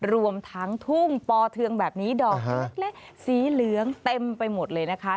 รวมทั้งทุ่งปอเทืองแบบนี้ดอกเล็กสีเหลืองเต็มไปหมดเลยนะคะ